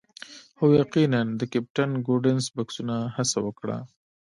هو یقیناً د کیپټن ګوډنس بکسونه هڅه وکړه